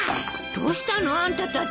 どうしたの？あんたたち。